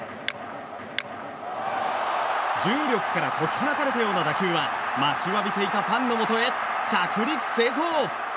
重力から解き放たれたような打球は待ちわびていたファンのもとへ着陸成功！